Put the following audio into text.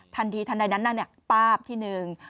ทันทีทันใดนั้นน่ะป้าบที่หนึ่ง